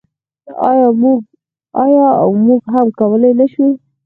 آیا او موږ هم کولی نشو؟